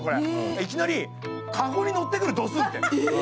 いきなり、かごに乗ってくる、ドスって。